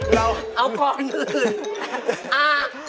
เราเอากรอบอื่น